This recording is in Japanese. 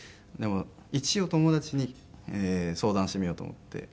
でも一応友達に相談してみようと思って。